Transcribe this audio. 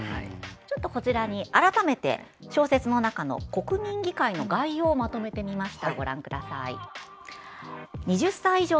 こちらに改めて小説の中の国民議会の概要をまとめてみました。